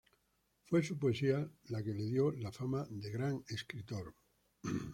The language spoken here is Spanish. Fue su poesía la que le dio la fama de gran escritor.